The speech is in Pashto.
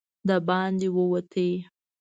د باندې ووت.